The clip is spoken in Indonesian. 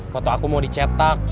foto aku mau dicetak